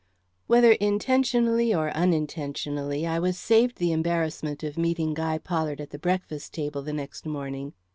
Whether intentionally or unintentionally, I was saved the embarrassment of meeting Guy Pollard at the breakfast table the next morning.